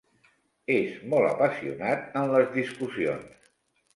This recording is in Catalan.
És molt apassionat en les discussions.